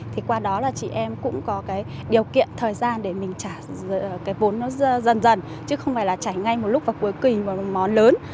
thì qua đó là chị em cũng có điều kiện thời gian để mình trả vốn dần dần chứ không phải là trả ngay một lúc và cuối kỳ một món lớn